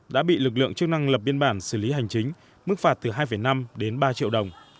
đã bị lực lượng chức năng lập biên bản xử lý hành chính mức phạt từ hai năm đến ba triệu đồng